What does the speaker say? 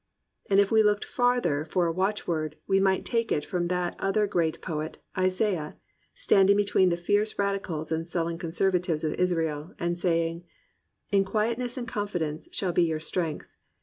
'* And if we looked farther for a watchword, we might take it from that other great poet, Isaiah, standing between the fierce radicals and sullen conservatives of Israel, and saying, "In quietness and confidence shall be your strength.